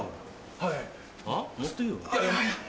はい。